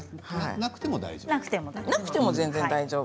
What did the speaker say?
なくても大丈夫？